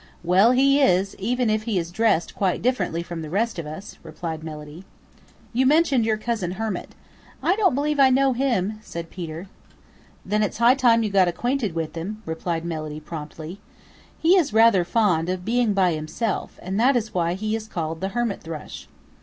"Well, he is, even if he is dressed quite differently from the rest of us," replied Melody. "You mentioned your cousin, Hermit. I don't believe I know him," said Peter. "Then it's high time you got acquainted with him," replied Melody promptly. "He is rather fond of being by himself and that is why he is called the Hermit Thrush.